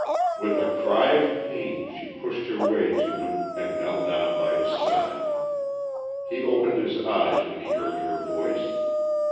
With a cry of pain, she pushed her way to him and knelt down by his side. He opened his eyes when he heard her voice.